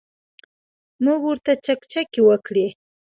موږ ورته چکچکې وکړې.